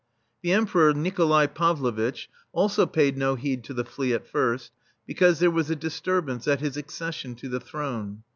The Emperor Nikolai Pavlovitch also paid no heed to the flea at first, because there was a disturbance at his accession to the throne.